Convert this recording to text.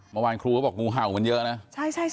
เมื่อวานครูก็บอกงูเห่ามันเยอะนะ